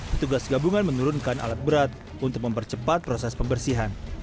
petugas gabungan menurunkan alat berat untuk mempercepat proses pembersihan